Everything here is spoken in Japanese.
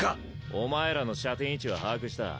お前らの射点位置は把握した。